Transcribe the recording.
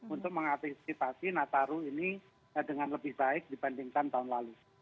untuk mengantisipasi nataru ini dengan lebih baik dibandingkan tahun lalu